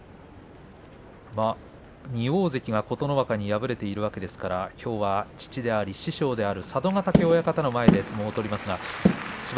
２大関が琴ノ若に敗れているわけですがきょうは父であり師匠である佐渡ヶ嶽親方の前で相撲を取ります。